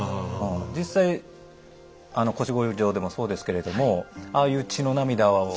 実際あの腰越状でもそうですけれどもああいう血の涙を。